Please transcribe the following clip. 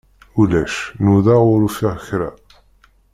Ulac, nudaɣ ur ufiɣ kra.